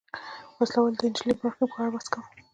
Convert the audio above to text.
وسله والو د نجلۍ برخلیک په اړه بحث کاوه.